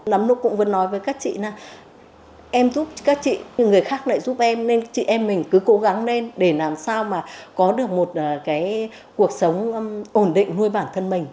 lắm lúc cũng vừa nói với các chị là em giúp các chị người khác lại giúp em nên chị em mình cứ cố gắng lên để làm sao mà có được một cái cuộc sống ổn định nuôi bản thân mình